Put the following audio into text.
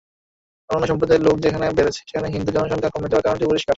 অন্যান্য সম্প্রদায়ের লোক যেখানে বেড়েছে, সেখানে হিন্দু জনসংখ্যা কমে যাওয়ার কারণটি পরিষ্কার।